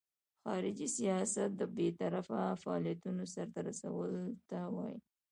خارجي سیاست د بیطرفه فعالیتونو سرته رسولو ته وایي.